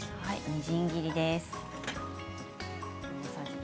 みじん切りです。